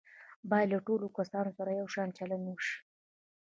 باید له ټولو کسانو سره یو شان چلند وشي.